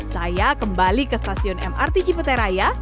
saya kembali ke stasiun mrt ciputeraya